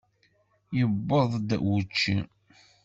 Yewweḍ-d wučči.